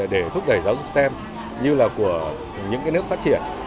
để thúc đẩy giáo dục stem như là của những nước phát triển